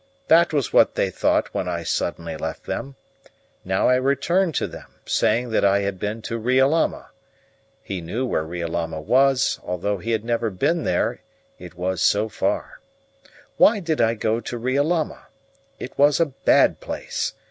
That was what they thought when I suddenly left them. Now I returned to them, saying that I had been to Riolama. He knew where Riolama was, although he had never been there: it was so far. Why did I go to Riolama? It was a bad place.